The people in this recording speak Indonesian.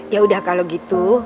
yaudah kalau gitu